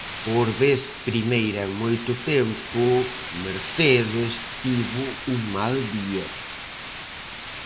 Por vez primeira en moito tempo, Mercedes tivo un mal día.